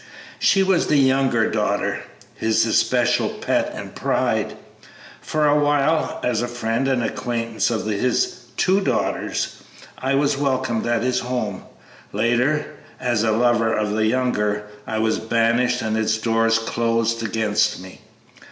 She was the younger daughter his especial pet and pride. For a while, as a friend and acquaintance of his two daughters, I was welcome at his home; later, as a lover of the younger, I was banished and its doors closed against me.